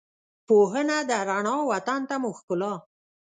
پوهنه ده رڼا، وطن ته مو ښکلا